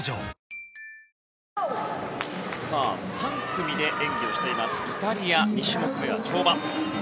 ３組で演技をしていますイタリア、２種目めの跳馬。